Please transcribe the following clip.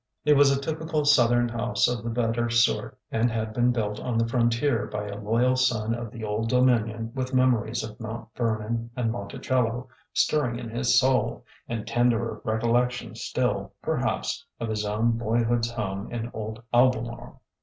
It was a typical Southern house of the better sort, and had been built on the frontier by a loyal son of the Old Dominion with memories of Mount Vernon and Monti cello stirring in his soul, and tenderer recollections still, perhaps, of his own boyhood's home in old Albemarle.